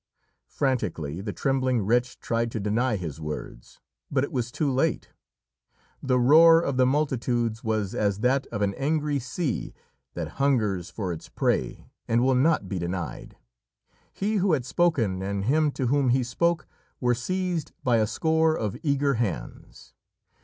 Frantically the trembling wretch tried to deny his words, but it was too late. The roar of the multitudes was as that of an angry sea that hungers for its prey and will not be denied. He who had spoken and him to whom he spoke were seized by a score of eager hands.